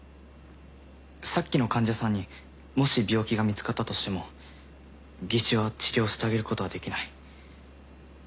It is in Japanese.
さっきの患者さんにもし病気が見つかったとしても技師は治療してあげることはできない。